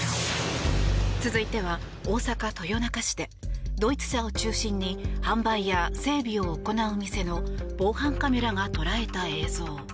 続いては大阪・豊中市でドイツ車を中心に販売や整備を行う店の防犯カメラが捉えた映像。